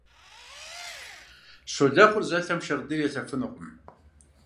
Щолэхъур зэлъэм шагъдийр елъэфынукъым.